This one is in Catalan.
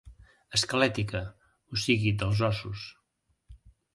Esquelètica, o sigui, dels ossos.